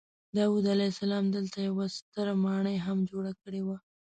داود علیه السلام دلته یوه ستره ماڼۍ هم جوړه کړې وه.